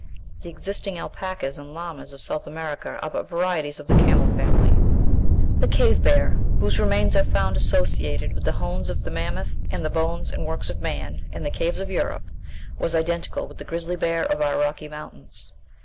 The existing alpacas and llamas of South America are but varieties of the camel family. The cave bear, whose remains are found associated with the bones of the mammoth and the bones and works of man in the caves of Europe, was identical with the grizzly bear of our Rocky Mountains.